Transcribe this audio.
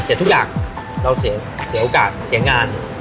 ทุกอย่างเราเสียโอกาสเสียงาน